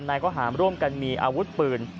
ข้อหามร่วมกันมีอาวุธปืน